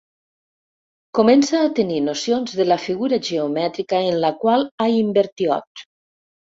Comença a tenir nocions de la figura geomètrica en la qual ha invertiot.